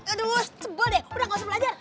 aduh jebol deh udah gak usah belajar